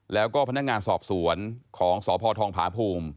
แล้วก็พนักงานสอบสวนของสพทองผาภูมิ